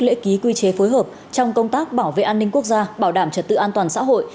lễ ký quy chế phối hợp trong công tác bảo vệ an ninh quốc gia bảo đảm trật tự an toàn xã hội